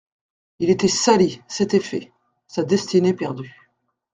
Il était sali, c'était fait ; sa destinée perdue.